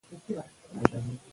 هغه د هرې قطعې تحقیقات پخپله کول.